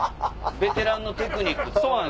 ベテランのテクニック使ったな。